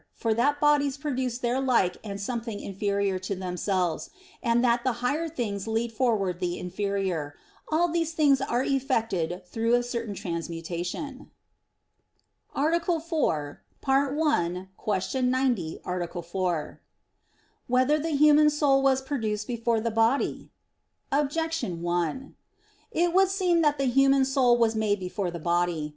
For that bodies produce their like or something inferior to themselves, and that the higher things lead forward the inferior all these things are effected through a certain transmutation. _______________________ FOURTH ARTICLE [I, Q. 90, Art. 4] Whether the Human Soul Was Produced Before the Body? Objection 1: It would seem that the human soul was made before the body.